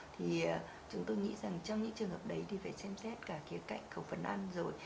thì chúng tôi nghĩ rằng trong những trường hợp đấy thì phải xem xét cả cái cạnh khẩu phần ăn rồi